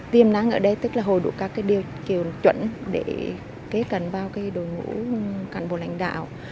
tiêm năng ở đây tức là hồi đủ các điều kiểu chuẩn để kế cận vào đôi ngũ cán bộ lãnh đạo